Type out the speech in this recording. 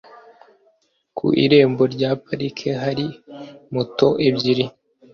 Ku irembo rya parike hari moto ebyiri.